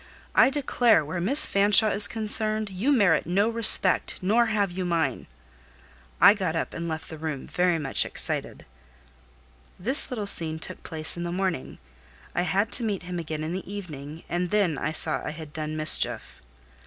I declare, where Miss Fanshawe is concerned, you merit no respect; nor have you mine." I got up, and left the room very much excited. This little scene took place in the morning; I had to meet him again in the evening, and then I saw I had done mischief.